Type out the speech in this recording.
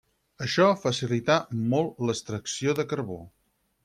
Això facilità molt l'extracció de carbó.